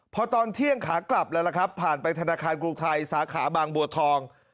พอตอนเที่ยงขากลับแล้วล่ะครับผ่านไปธนาคารกรุงไทยสาขาบางบัวทอง